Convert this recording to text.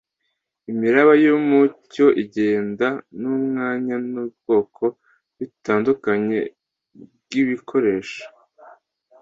Imiraba yumucyo igenda mumwanya nubwoko butandukanye bwibikoresho.